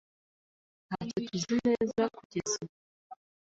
Ntacyo tuzi neza kugeza ubu.